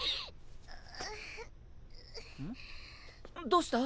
どうした？